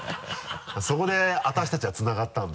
あっそこで私たちはつながったんだ？